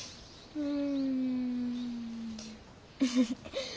うん。